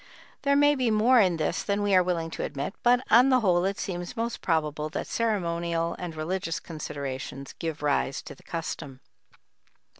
There may be more in this than we are willing to admit, but on the whole it seems most probable that ceremonial and religious considerations gave rise to the custom.